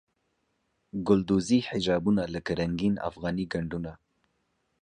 ګلدوزي حجابونه لکه رنګین افغاني ګنډونه.